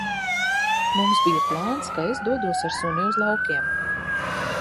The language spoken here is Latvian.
Mums bija plāns, ka es dodos ar suni uz laukiem.